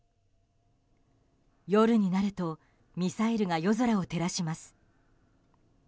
夜になるとミサイルが夜空を照らします。